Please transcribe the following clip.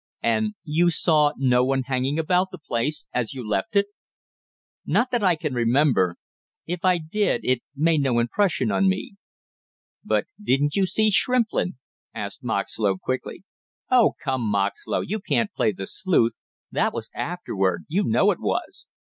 "And you saw no one hanging about the place as you left it?" "Not that I can remember; if I did it made no impression on me." "But didn't you see Shrimplin?" asked Moxlow quickly. "Oh, come, Moxlow, you can't play the sleuth, that was afterward, you know it was!"